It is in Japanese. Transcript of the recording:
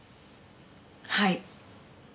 はい。